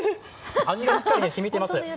味がしっかり染みてます。